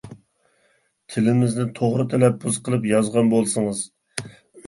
تىلىمىزنى توغرا تەلەپپۇز قىلىپ يازغان بولسىڭىز!